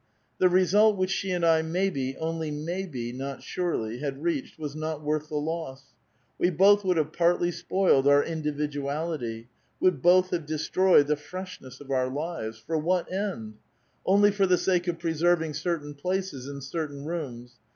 The re sult which she and I, maybe, onl^ raayhe^ not surely^ had reach.^d was not worth the loss. We l)oth would have partly si)oiled our individuality, would both have destroyed the freshness of our lives. For what end? Only for the sake of preserving certain places in certain rooms.